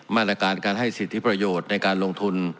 มาตรการการให้สิทธิประโยชน์ในการลงทุน